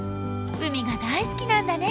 海が大好きなんだね。